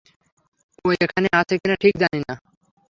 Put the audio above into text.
ও এখানে আছে কিনা ঠিক জানি না!